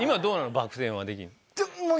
バク転はできるの？